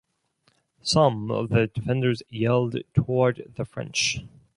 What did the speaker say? Some of the defenders yelled toward the French.